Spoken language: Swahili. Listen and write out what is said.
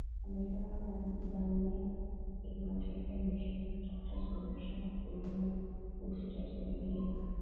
amesema jamuia ya kimataifa imeshindwa kutafuta suluhisho la kudumu kuhusu tatizo hilo